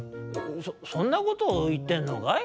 そそそんなことをいってんのかい？